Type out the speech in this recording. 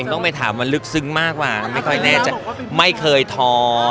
ต้องไปถามมันลึกซึ้งมากกว่าไม่ค่อยแน่ใจไม่เคยท้อ